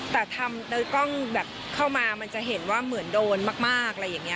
แต่ทำโดยกล้องแบบเข้ามามันจะเห็นว่าเหมือนโดนมากอะไรอย่างนี้